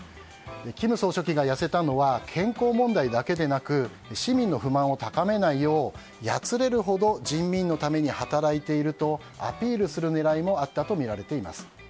金総書記が痩せたのは健康問題だけでなく市民の不満を高めないようやつれるほど人民のために働いているとアピールする狙いもあったとみられています。